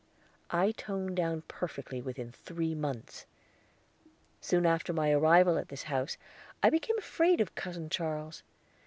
I toned down perfectly within three months. Soon after my arrival at his house I became afraid of Cousin Charles.